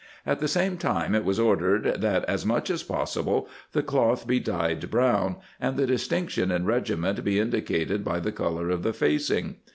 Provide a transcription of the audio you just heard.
At the same time it was ordered that as much as possible the cloth be dyed brown, and the distinction in regiment be indicated by the color of the facing.